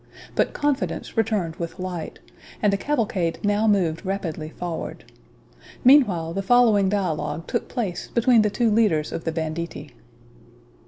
But confidence returned with light, and the cavalcade now moved rapidly forward. Meanwhile, the following dialogue took place between the two leaders of the banditti.